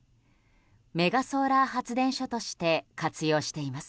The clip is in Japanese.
メガソーラー発電所として活用しています。